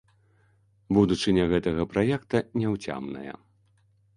Будучыня гэтага праекта няўцямная.